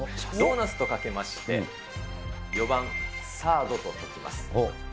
ドーナツとかけまして、４番サードとときます。